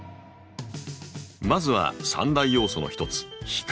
まずは３大要素の一つ「光」。